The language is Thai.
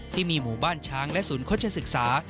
ที่มีหมู่บ้านช้างและศูนย์โฆษศึกษา